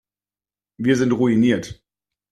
Wir sind ruiniert.